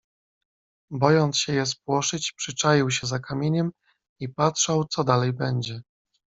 "Bojąc się je spłoszyć, przyczaił się za kamieniem i patrzał co dalej będzie."